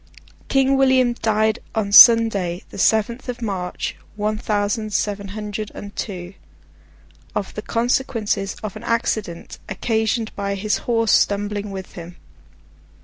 King William died on Sunday, the seventh of March, one thousand seven hundred and two, of the consequences of an accident occasioned by his horse stumbling with him.